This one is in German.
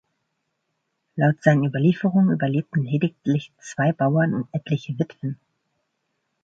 Laut seinen Überlieferungen überlebten lediglich zwei Bauern und „etliche Witwen“.